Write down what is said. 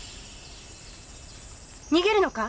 逃げるのか？